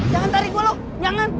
jangan tarik gue loh jangan